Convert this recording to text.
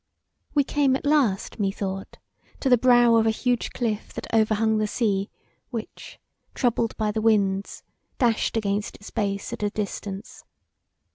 We came at last, methought, to the brow of a huge cliff that over hung the sea which, troubled by the winds, dashed against its base at a distance.